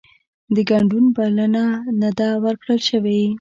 د ګډون بلنه نه ده ورکړل شوې